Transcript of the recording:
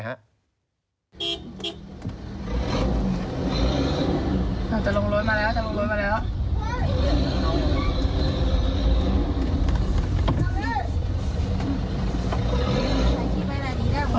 จะลงรถมาแล้ว